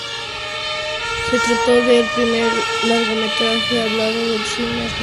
Se trató del primer largometraje hablado del cine argentino.